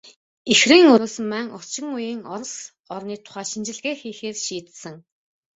Ихрийн өрөөсөн маань орчин үеийн Орос орны тухай шинжилгээ хийхээр шийдсэн.